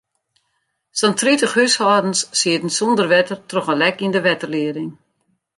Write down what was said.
Sa'n tritich húshâldens sieten sûnder wetter troch in lek yn de wetterlieding.